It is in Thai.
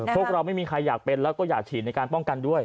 พวกเราไม่มีใครอยากเป็นแล้วก็อยากฉีดในการป้องกันด้วย